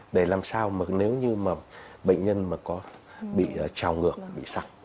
để làm sao nếu như bệnh nhân có bị trào ngược bị sặc